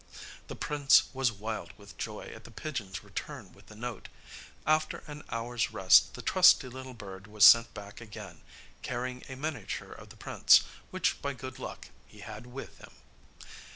The prince was wild with joy at the pigeon's return with the note. After an hour's rest the trusty little bird was sent back again, carrying a miniature of the prince, which by good luck he had with him.